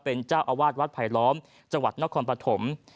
เป็นเจ้าอาวาดวัดไผลล้อมจนปฐมศ์